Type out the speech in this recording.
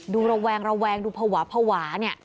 ดูระวังระวังดูภาวะภาวะ